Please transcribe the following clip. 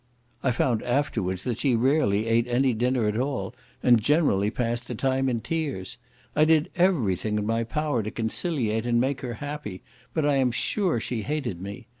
I found afterwards that she rarely ate any dinner at all, and generally passed the time in tears. I did every thing in my power to conciliate and make her happy, but I am sure she hated me.